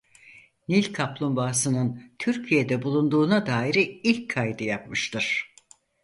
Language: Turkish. Nil kaplumbağasının Türkiye'de bulunduğuna dair ilk kaydı yapmıştır.